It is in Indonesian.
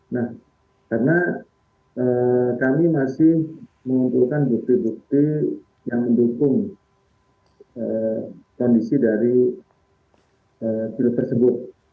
nah karena kami masih mengumpulkan bukti bukti yang mendukung kondisi dari film tersebut